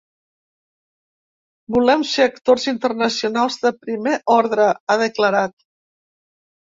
“Volem ser actors internacionals de primer ordre”, ha declarat.